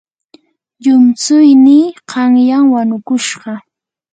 llumtsuynii qanyan wanukushqa.